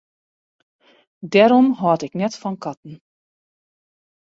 Dêrom hâld ik net fan katten.